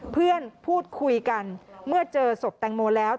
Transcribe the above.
เพื่อนพูดคุยกันเมื่อเจอศพแตงโมแล้ว